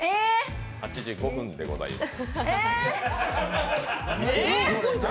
８時５分でございます。